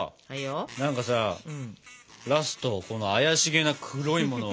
何かさラストこの怪しげな黒いものは。